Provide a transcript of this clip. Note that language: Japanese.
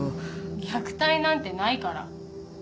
虐待なんてないから